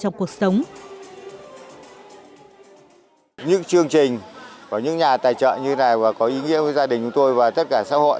những chương trình có những nhà tài trợ như thế này và có ý nghĩa với gia đình chúng tôi và tất cả xã hội